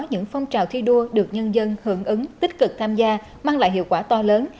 những phong trào thi đua được nhân dân hưởng ứng tích cực tham gia mang lại hiệu quả to lớn